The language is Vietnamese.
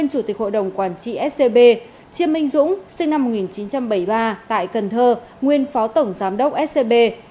chủ tịch hội đồng quản trị scb chiêm minh dũng sinh năm một nghìn chín trăm bảy mươi ba tại cần thơ nguyên phó tổng giám đốc scb